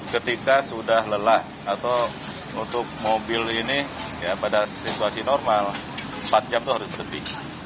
ketika sudah lelah atau untuk mobil ini pada situasi normal empat jam itu harus berhenti